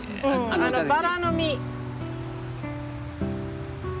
うんバラの実。